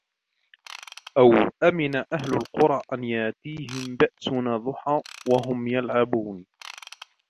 أوأمن أهل القرى أن يأتيهم بأسنا ضحى وهم يلعبون